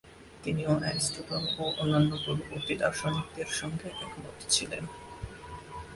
তিনিও এরিস্টটল ও অন্যান্য পূর্ববর্তী দার্শনিকদের সঙ্গে একমত ছিলেন।